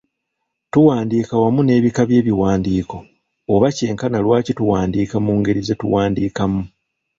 Tuwandiika wamu n’ebika by’ebiwandiiko, oba kye nkana lwaki tuwandiika mu ngeri ze tuwandiikamu.